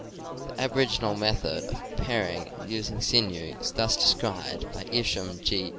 The aboriginal method of preparing and using sinew is thus described by Isham G.